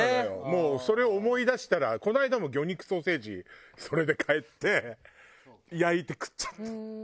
もうそれを思い出したらこの間も魚肉ソーセージそれで買って焼いて食っちゃった。